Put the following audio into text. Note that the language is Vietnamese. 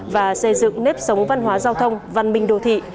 và xây dựng nếp sống văn hóa giao thông văn minh đô thị